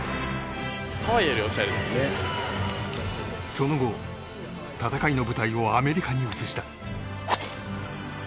その後、戦いの舞台をアメリカに移した。